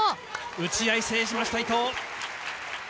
打ち合いを制しました、伊藤。